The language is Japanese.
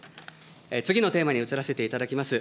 次のテーマに移らせていただきます。